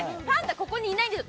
ここにいないんだよ